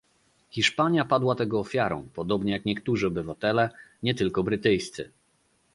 Hiszpania padła tego ofiarą, podobnie jak niektórzy obywatele, nie tylko brytyjscy